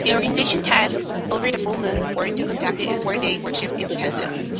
The organization takes over the Full Moon Resort to conduct its four-day workshop intensives.